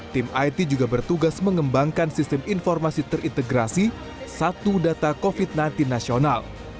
tim it juga bertugas mengembangkan sistem informasi terintegrasi satu data covid sembilan belas nasional